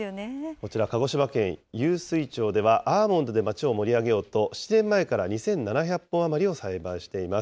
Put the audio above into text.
こちら、鹿児島県湧水町では、アーモンドで町を盛り上げようと、７年前から２７００本余りを栽培しています。